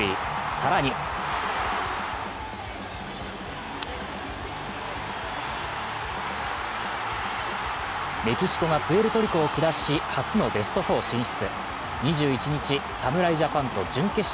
更にメキシコがプエルトリコを下し、初のベスト４進出。